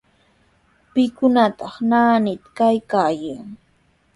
¿Pikunataq naanitraw kaykaayan?